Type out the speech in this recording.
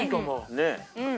ねえ。